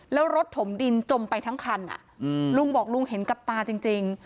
แล้วรถถมดินจมไปทั้งคันลุงบอกลุงเห็นกับตาจริง